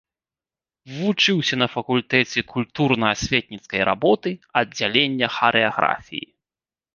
Вучыўся на факультэце культурна-асветніцкай работы, аддзялення харэаграфіі.